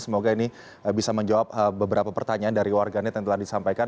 semoga ini bisa menjawab beberapa pertanyaan dari warganet yang telah disampaikan